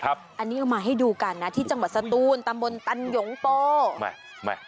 อันนี้เอามาให้ดูกันนะที่จังหวัดสตูนตำบลตันหยงโป